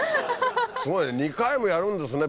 すごいね２回もやるんですね